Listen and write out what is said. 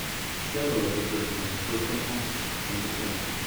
Several of the prisoners were from Austin and vicinity.